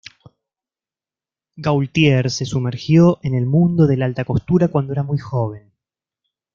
Gaultier se sumergió en el mundo de la alta costura cuando era muy joven.